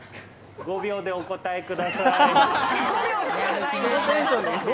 ５秒でお答えください。